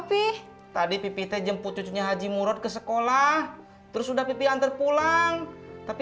pih tadi pipi teh jemput cucunya haji murad ke sekolah terus sudah pipian terpulang tapi